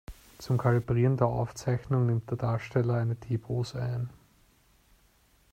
Zum Kalibrieren der Aufzeichnung nimmt der Darsteller eine T-Pose ein.